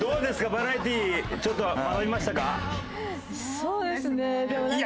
バラエティちょっとは学べましたか？